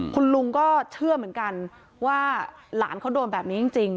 คุณลุงก็เชื่อเหมือนกันว่าหลานเขาโดนแบบนี้จริง